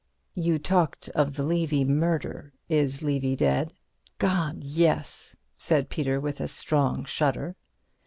"You talked of the Levy murder. Is Levy dead?" "God—yes!" said Peter, with a strong shudder.